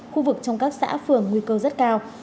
khu vực trong các xã phường nguy cơ rất cao